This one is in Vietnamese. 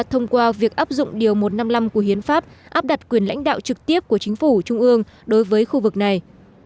thông qua việc áp dụng điều một trăm năm mươi năm của hiến pháp áp đặt quyền lãnh đạo trực tiếp của chính phủ trung ương đối với khu vực này